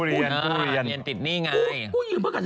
เรียนติดหนี้ไง